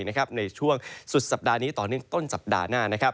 ในช่วงสุดสัปดาห์นี้ต่อเนื่องต้นสัปดาห์หน้า